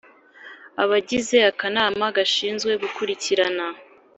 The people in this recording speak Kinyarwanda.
Abagize Akanama gashinzwe gukurikirana